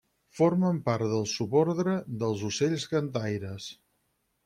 Formen part del subordre dels ocells cantaires.